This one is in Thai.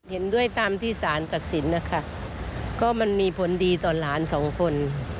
เห็นด้วยตามที่สารตัดสินนะคะก็มันมีผลดีต่อหลานสองคน